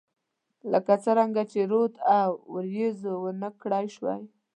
لکه څنګه چې رود او، اوریځو ونه کړای شوه